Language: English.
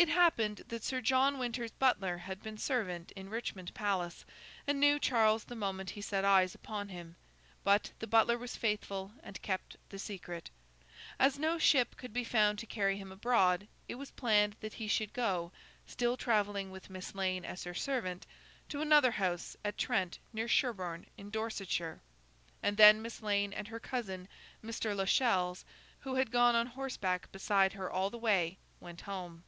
It happened that Sir John Winter's butler had been servant in Richmond Palace, and knew Charles the moment he set eyes upon him; but, the butler was faithful and kept the secret. As no ship could be found to carry him abroad, it was planned that he should go—still travelling with Miss Lane as her servant—to another house, at Trent near Sherborne in Dorsetshire; and then Miss Lane and her cousin, Mr. Lascelles, who had gone on horseback beside her all the way, went home.